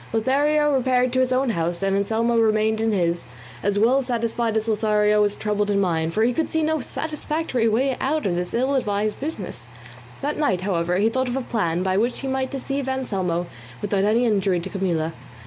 Lothario repaired to his own house, and Anselmo remained in his, as well satisfied as Lothario was troubled in mind; for he could see no satisfactory way out of this ill advised business. That night, however, he thought of a plan by which he might deceive Anselmo without any injury to Camilla.